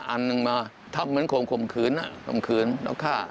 อันนึงมาทำเหมือนขวมขืนแล้วฆ่า